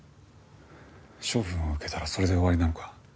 処分を受けたらそれで終わりなのか？